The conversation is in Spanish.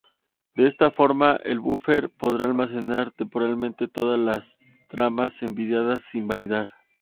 De esta forma el buffer podrá almacenar temporalmente todas las tramas enviadas sin validar.